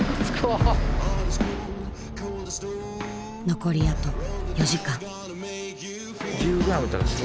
残りあと４時間。